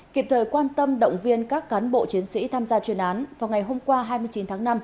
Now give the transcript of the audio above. kịp thời quan tâm động viên các cán bộ chiến sĩ tham gia chuyên án vào ngày hôm qua hai mươi chín tháng năm